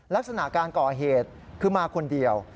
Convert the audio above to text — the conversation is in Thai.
ลักษณะการก่อเหตุคือมาคนเดียว